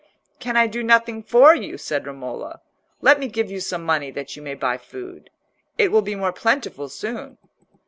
"Can I do nothing for you?" said Romola. "Let me give you some money that you may buy food. It will be more plentiful soon."